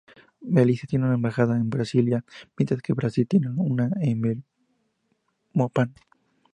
Belice tiene una embajada en Brasilia, mientras que Brasil tiene una en Belmopán.